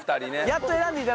やっと。